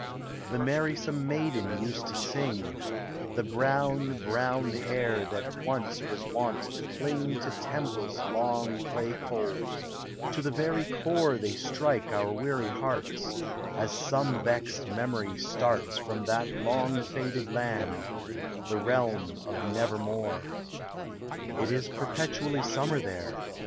The merrvsome maiden used to sing — The brown, brown hair that once was wont to cling To temples long clay cold : to the very core They strike our weary hearts, As some vexed memory starts From that long faded land — the realm of Nevermore. It is perpetual summer there.